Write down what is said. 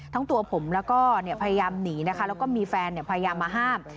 ทั้งตัวผมแล้วก็พยายามหนีนะคะแล้วก็มีแฟนพยายามมาห้าม